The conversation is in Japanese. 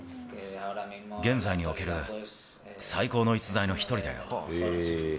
現在における最高の逸材の一人だよ。